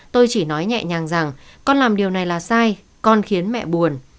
tôi chỉ nói nhẹ nhàng rằng con làm điều này là sai con khiến mẹ buồn